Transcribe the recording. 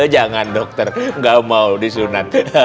jangan dokter gak mau disunat